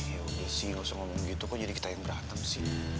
ya udah sih gak usah ngomong gitu kok jadi kita yang berantem sih